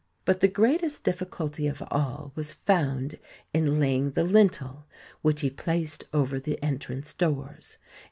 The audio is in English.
But the greatest difficulty of all was found in laying the lintel which he placed over the entrance doors.